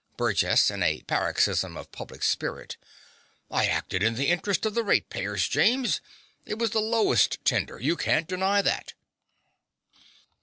BURGESS (in a paroxysm of public spirit). I acted in the interest of the ratepayers, James. It was the lowest tender: you can't deny that.